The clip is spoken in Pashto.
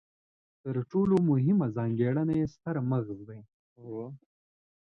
تر ټولو مهمه ځانګړنه یې ستر مغز دی.